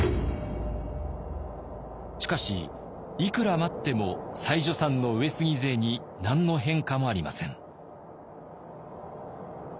しかしいくら待っても妻女山の上杉勢に何の変化もありません。